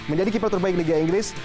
menjadi keeper terbaik liga inggris